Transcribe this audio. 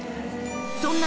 そんな